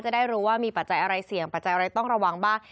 จะได้รู้ว่ามีปัจจัยอะไรเสี่ยงปัจจัยอะไรต้องระวังบ้าง